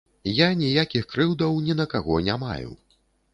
Я ніякіх крыўдаў ні на каго не маю.